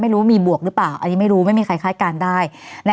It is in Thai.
ไม่รู้มีบวกหรือเปล่าอันนี้ไม่รู้ไม่มีใครคาดการณ์ได้